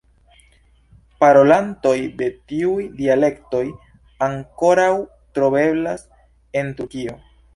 Parolantoj de tiuj dialektoj ankoraŭ troveblas en Turkio.